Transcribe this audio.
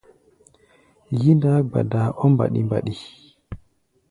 Yí-ndaá gbadaa ɔ́ mbaɗi-mbaɗi.